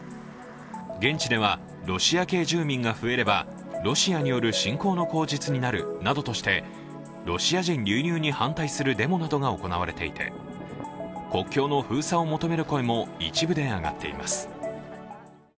現地では、ロシア系住民が増えればロシアによる侵攻の口実になるなどとしてロシア人流入に反対するデモなども行われていて、国境の封鎖を求める声も一部で上がっています。